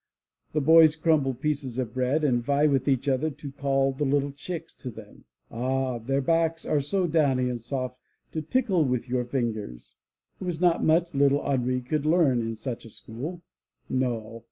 The boys crumble pieces of bread and vie with each other to call the little chicks to them. Ah! their backs are so downy and soft to tickle with your fingers! It was not much little Henri could learn in such a school. No!